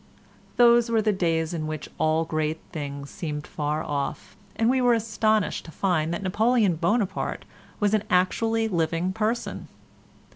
Those were the days in which all great things seemed far off, and we were astonished to find that Napoleon Buonaparte was an actually living person.